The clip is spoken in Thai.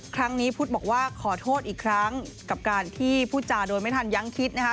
พุทธบอกว่าขอโทษอีกครั้งกับการที่พูดจาโดยไม่ทันยังคิดนะคะ